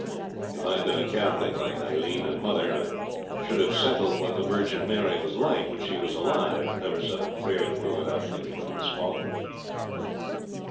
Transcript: If I'd been a Catholic, like Aileen and mother, I should have settled what the Virgin Mary was like when she was alive, and never said a prayer to her without thinking of Miss Falkland.